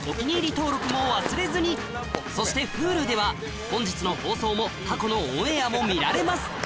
登録も忘れずにそしてＨｕｌｕでは本日の放送も過去のオンエアも見られます